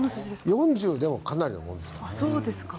４０でもかなりのもんですからね。